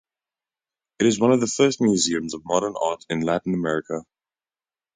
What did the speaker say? It is one of the first museums of modern art in Latin America.